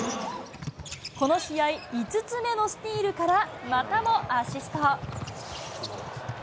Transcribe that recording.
この試合、５つ目のスティールからまたもアシスト。